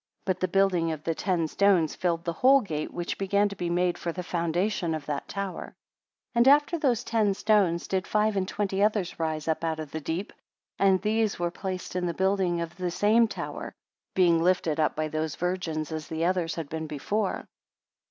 But the building of the ten stones filled the whole gate, which began to be made for the foundation of that tower. 31 After those ten stones did five and twenty others rise up out of the deep; and these were placed in the building of the same tower; being lifted up by those virgins, as the others had been before.